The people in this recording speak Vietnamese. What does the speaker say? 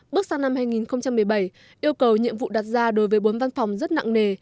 bước sang năm hai nghìn một mươi bảy yêu cầu nhiệm vụ đặt ra đối với bốn văn phòng rất nặng nề